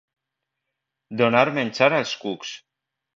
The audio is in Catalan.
Donar menjar als cucs.